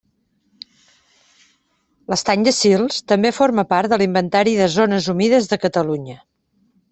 L'Estany de Sils també forma part de l'Inventari de zones humides de Catalunya.